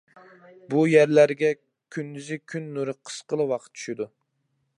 بۇ يەرلەرگە كۈندۈزى كۈن نۇرى قىسقىلا ۋاقىت چۈشىدۇ.